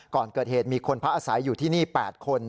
ก่อนเกิดเหตุมีคนพักอาศัยอยู่ที่นี่๘คน